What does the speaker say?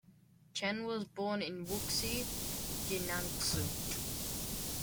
Chen was born in Wuxi, Jiangsu.